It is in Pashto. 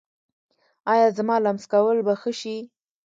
ایا زما لمس کول به ښه شي؟